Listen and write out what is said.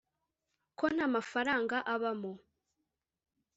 ko nta mafaranga abamo